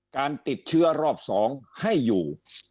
การติดเชื้อรอบ๒ให้อยู่